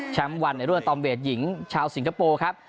วันในรุ่นตอมเวทหญิงชาวสิงคโปร์ครับ